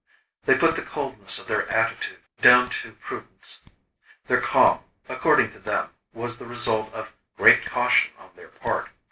They put the coldness of their attitude down to prudence. Their calm, according to them, was the result of great caution on their part.